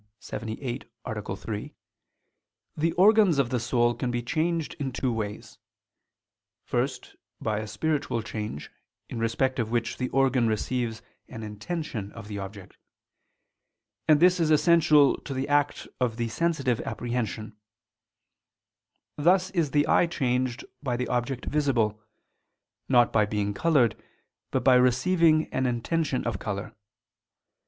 78, A. 3) the organs of the soul can be changed in two ways. First, by a spiritual change, in respect of which the organ receives an "intention" of the object. And this is essential to the act of the sensitive apprehension: thus is the eye changed by the object visible, not by being colored, but by receiving an intention of color.